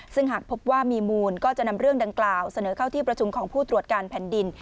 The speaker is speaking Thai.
ซึ่งหากพบว่ามีมูลก็จะนำเรื่องดังกล่าวเสนอเข้าที่ประชุมของผู้ตรวจการแผ่นดิน